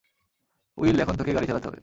Will, এখন তোকে গাড়ি চালাতে হবে!